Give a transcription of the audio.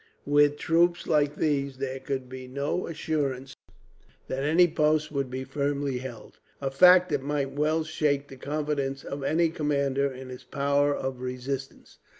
With troops like these, there could be no assurance that any post would be firmly held a fact that might well shake the confidence of any commander in his power of resistance.